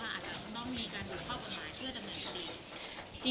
อาจจะน่อมมีการบริเวณข้อหมายเที่ยวดำเนินคดี